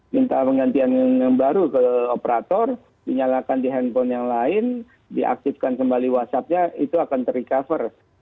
minta penggantian yang baru ke operator dinyalakan di handphone yang lain diaktifkan kembali whatsappnya itu akan terrecover